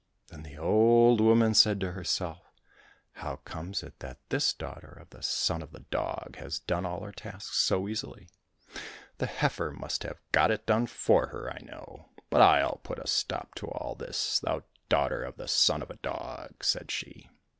Then the old woman said to herself, " How comes it that this daughter of the son of a dog has done all her task so easily ? The heifer must have got it done for her, I know. But I'll put a stop to all this, thou daughter of the son of a dog," said she.